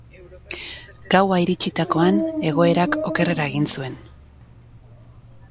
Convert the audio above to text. Gaua iritsitakoan, egoerak okerrera egin zuen.